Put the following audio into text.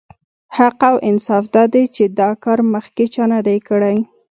حق او انصاف دا دی چې دا کار مخکې چا نه دی کړی.